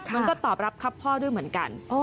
มันก็ตอบรับครับพ่อด้วยเหมือนกัน